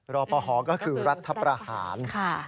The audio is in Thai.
รอปภก็คือรัฐประหาร